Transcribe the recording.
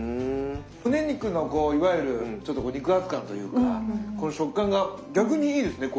むね肉のこういわゆるちょっと肉厚感というかこの食感が逆にいいですね